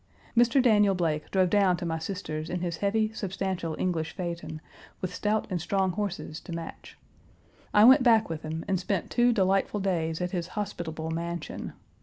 Mr. Daniel Blake drove down to my sister's in his heavy, substantial English phaeton, with stout and strong horses to match. I went back with him and spent two delightful days at his hospitable mansion.